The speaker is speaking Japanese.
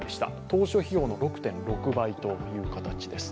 当初費用の６．６倍という形です。